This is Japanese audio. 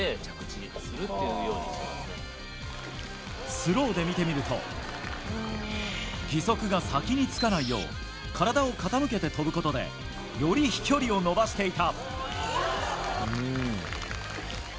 スローで見てみると義足が先につかないよう体を傾けて跳ぶことでより飛距離を伸ばしていた。